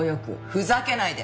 ふざけないで！